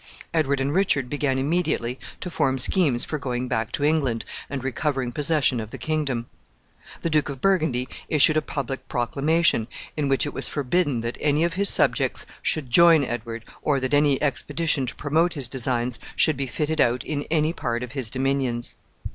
Edward and Richard began immediately to form schemes for going back to England and recovering possession of the kingdom. The Duke of Burgundy issued a public proclamation, in which it was forbidden that any of his subjects should join Edward, or that any expedition to promote his designs should be fitted out in any part of his dominions.